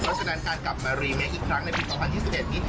เพราะฉะนั้นการกลับมารีแม่อีกครั้งในวีดีโอกาสที่สุดท้ายนี้